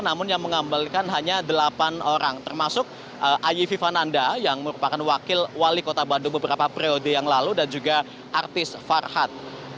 namun yang mengambalkan hanya delapan orang termasuk ayifi fananda yang merupakan wakil wali kota bandung beberapa periode yang lalu dan juga artis farhad